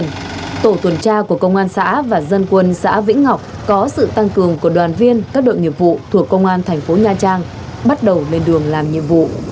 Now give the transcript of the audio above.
nhiệm vụ tuần tra của công an xã và dân quân xã vĩnh ngọc có sự tăng cường của đoàn viên các đội nhiệm vụ thuộc công an thành phố nha trang bắt đầu lên đường làm nhiệm vụ